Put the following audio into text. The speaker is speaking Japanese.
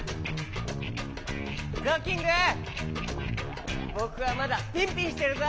ゾーキングぼくはまだピンピンしてるぞ。